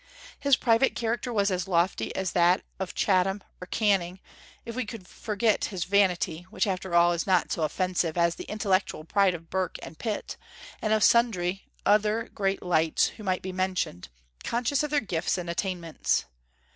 His private character was as lofty as that of Chatham or Canning, if we could forget his vanity, which after all is not so offensive as the intellectual pride of Burke and Pitt, and of sundry other great lights who might be mentioned, conscious of their gifts and attainments.